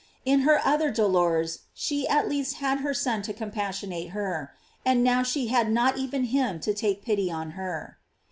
§ In her other dolors she at least had her Son to com passionate her; and now she had not even him to take pity on her.